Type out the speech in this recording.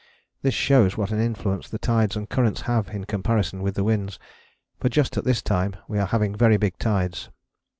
This shows what an influence the tides and currents have in comparison with the winds, for just at this time we are having very big tides.